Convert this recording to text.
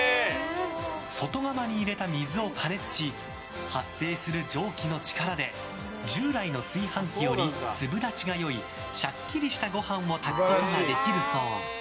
外釜に入れた水を加熱し発生する蒸気の力で従来の炊飯器より粒立ちが良いシャッキリしたご飯を炊くことができるそう。